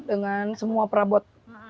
dengan semua perabot